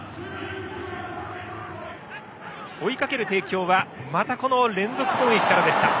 追いかける帝京はまた連続攻撃からでした。